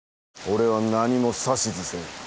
俺は何も指図せん。